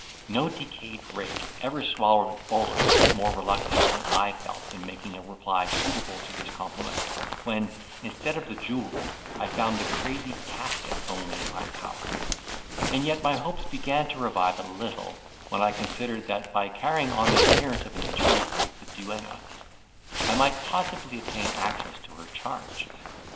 No decayed rake ever swallowed a bolus with more reluctance than I felt in making a reply suitable to this compliment, when, instead of the jewel, I found the crazy casket only in my power; and yet my hopes began to revive a little, when I considered, that, by carrying on the appearance of an intrigue with the duenna, I might possibly obtain access to her charge.